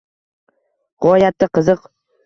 G’oyatda qiziq!